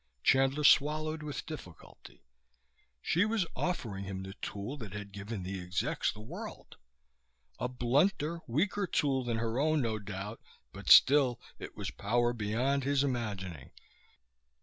Chandler swallowed with difficulty. She was offering him the tool that had given the execs the world. A blunter, weaker tool than her own, no doubt. But still it was power beyond his imagining.